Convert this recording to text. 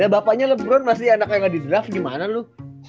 bapaknya lebron masih anak yang ada di draft gimana loh